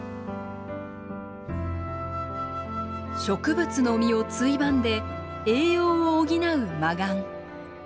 植物の実をついばんで栄養を補うマガン。